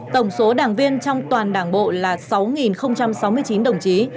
tổng số đảng viên trong toàn đảng bộ là sáu sáu mươi chín đồng chí